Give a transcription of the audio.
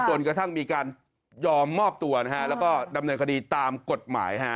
จนกระทั่งมีการยอมมอบตัวนะฮะแล้วก็ดำเนินคดีตามกฎหมายฮะ